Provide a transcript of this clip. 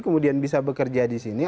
kemudian bisa bekerja disini